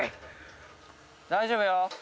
大丈夫よ。